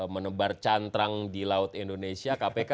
menebar cantrang di laut indonesia kpk